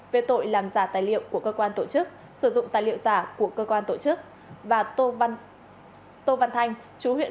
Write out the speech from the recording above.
về tội làm giả tài liệu của cơ quan tổ chức